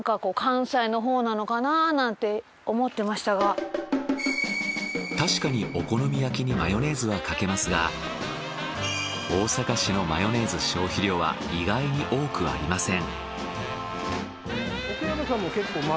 これ全部私確かにお好み焼きにマヨネーズはかけますが大阪市のマヨネーズ消費量は意外に多くありません。